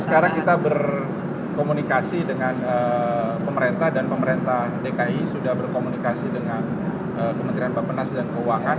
sekarang kita berkomunikasi dengan pemerintah dan pemerintah dki sudah berkomunikasi dengan kementerian bapak penas dan keuangan